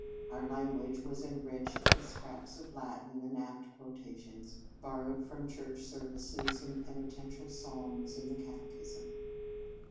Our language was enriched with scraps of Latin and apt quota tions, borrowed from Church services, the Penitential Psalms, and the cate chism.